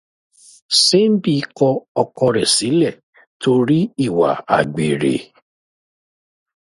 Símbì kọ ọkọ rẹ̀ sílẹ̀ torí ìwà àgbèrè.